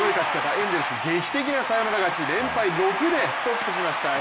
エンゼルス、劇的なサヨナラ勝ち、連敗６でストップしました。